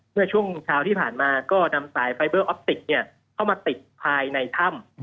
เมื่อช่วงเช้าที่ผ่านมาก็นำสายไฟเบอร์ออฟติกเข้ามาติดภายในถ้ำ